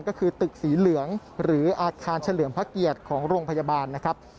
ก็คือตึกสีเหลืองหรืออาคารเฉลิมพระเกียรติของโรงพยาบาลนะครับ